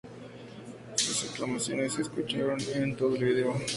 Sus exclamaciones se escuchan en todo el video.